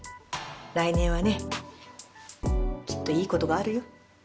来年はねきっといいことがあるよ。